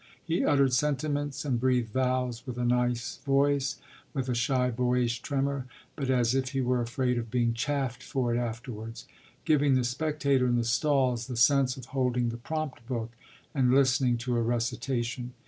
He uttered sentiments and breathed vows with a nice voice, with a shy, boyish tremor, but as if he were afraid of being chaffed for it afterwards; giving the spectator in the stalls the sense of holding the prompt book and listening to a recitation.